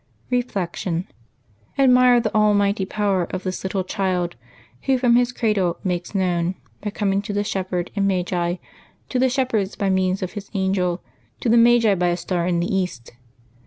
Reflection. — Admire the almighty power of this little Child, Who from His cradle makes known His coming to the shepherds and magi — to the shepherds by means of His angel, to the magi by a star in the East.